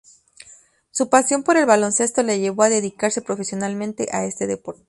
Su pasión por el baloncesto le llevó a dedicarse profesionalmente a este deporte.